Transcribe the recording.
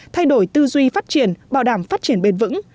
thay đổi tư duy phát triển bảo đảm phát triển bền vững